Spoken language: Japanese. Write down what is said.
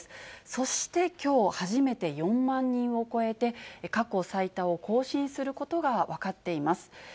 そしてきょう、初めて４万人を超えて、過去最多を更新することが分かっています。